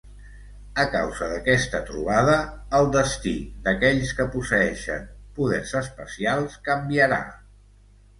A causa d'aquesta trobada, el destí d'aquells que posseeixen poders especials canviarà.